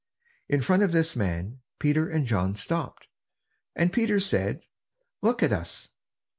In front of this man Peter and John stopped; and Peter said: "Look at us!"